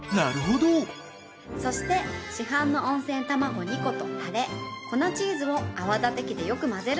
そして市販の温泉卵２個とタレ粉チーズを泡立て器でよく混ぜるの。